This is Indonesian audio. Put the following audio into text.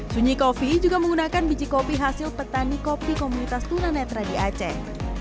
sunyi coffee juga menggunakan biji kopi hasil petani kopi komunitas tuna netra di aceh